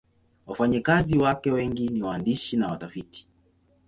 Wafanyakazi wake wengi ni waandishi na watafiti.